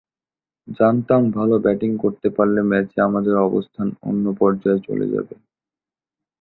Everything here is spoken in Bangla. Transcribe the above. জানতাম ভালো ব্যাটিং করতে পারলে ম্যাচে আমাদের অবস্থান অন্য পর্যায়ে চলে যাবে।